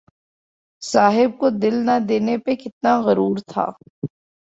صاحب کو دل نہ دینے پہ کتنا غرور تھا